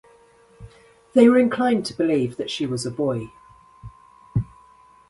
They were inclined to believe that she was a boy.